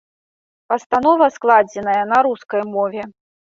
Пастанова складзеная на рускай мове.